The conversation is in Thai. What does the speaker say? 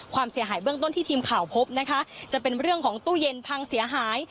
ความเสียหายเบื้องต้นที่ทีมข่าวพบนะคะจะเป็นเรื่องของตู้เย็นพังเสียหาย